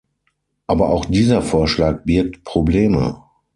Aber auch dieser Vorschlag birgt Probleme.